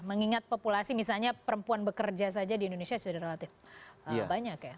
mengingat populasi misalnya perempuan bekerja saja di indonesia sudah relatif banyak ya